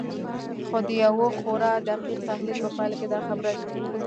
خو د يوه خورا دقيق تحليل په پايله کې دا خبره جوتېږي.